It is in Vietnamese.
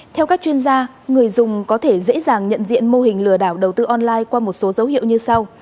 theo các chuyên gia người dùng có thể dễ dàng nhận diện mô hình lừa đảo đầu tư online qua một số dấu hiệu như sau